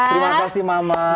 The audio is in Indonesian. terima kasih mama